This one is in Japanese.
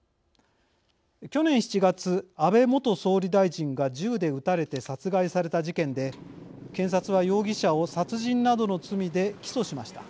去年７月安倍元総理大臣が銃で撃たれて殺害された事件で検察は容疑者を殺人などの罪で起訴しました。